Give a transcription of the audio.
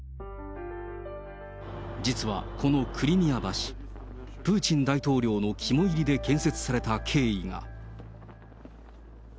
実はこのクリミア橋、プーチン大統領の肝いりで建設された経緯が。